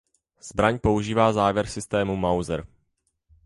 Zbraň používá závěr systému Mauser.